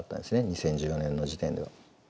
２０１４年の時点では。